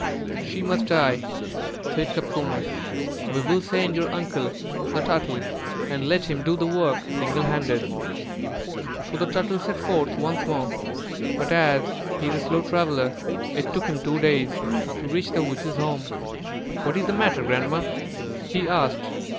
"She must die," said Copcomus; "we will send your uncle, the Turtle, and let him do the work single handed." So the Turtle set forth once more; but as he is a slow traveller, it took him two days to reach the witch's home. "What is the matter, Grandma?" he asked.